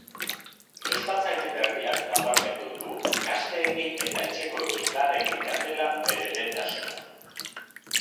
Prestatzaile berriak nabarmendu du gazteekin eta etxekoekin lan egitea dela bere lehentasuna.